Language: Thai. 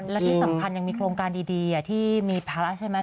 และที่สำคัญยังมีโครงการดีที่มีภาระใช่ไหม